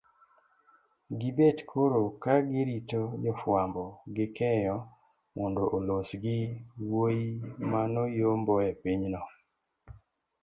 gibet koro ka girito jofwambo gi keyo mondo olos gi wuoyimanoyomboepinyno